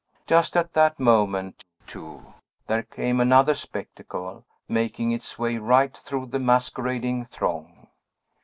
Just at that moment, too, there came another spectacle, making its way right through the masquerading throng.